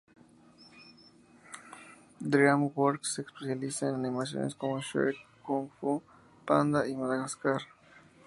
Dreamworks se especializa en animaciones como Shrek, Kung Fu Panda y Madagascar.